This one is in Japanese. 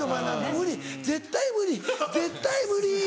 「無理絶対無理絶対無理」。